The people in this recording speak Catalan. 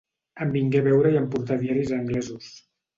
Em vingué a veure i em portà diaris anglesos